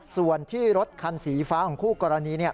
ส่วนที่รถคันสีฟ้าของคู่กรณี